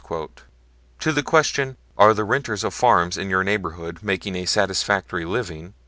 To the question, "Are the renters of farms in your neighborhood making a satisfactory living?"